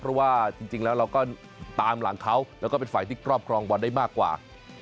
เพราะว่าจริงแล้วเราก็ตามหลังเขาแล้วก็เป็นฝ่ายที่ครอบครองบอลได้มากกว่า